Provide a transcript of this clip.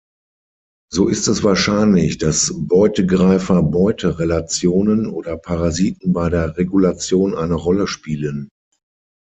So ist es wahrscheinlich, dass Beutegreifer-Beute-Relationen oder Parasiten bei der Regulation eine Rolle spielen.